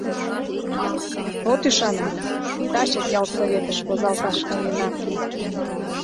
От ӱшане гын, тачак ялсоветыш возалташ каена...